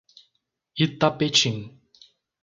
Itapetim